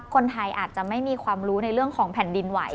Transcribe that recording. คนไทยอาจจะไม่มีความรู้ในเรื่องของแผ่นดินไหว